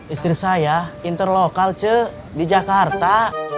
istri saya interlokal ce di jakarta